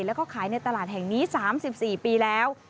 แล้วก็ขายในตลาดแห่งนี้๓๔ปีแล้ว